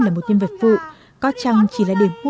là một nhân vật vụ có chăng chỉ là điểm